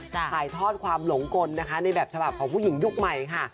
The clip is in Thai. ถ่ายทอดความหลงกลนะคะในแบบฉบับของผู้หญิงยุคใหม่ค่ะ